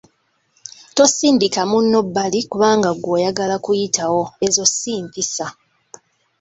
"Tosindika munno bbali kubanga ggwe oyagala kuyitawo, ezo si mpisa."